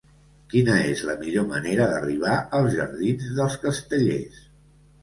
Quina és la millor manera d'arribar als jardins dels Castellers?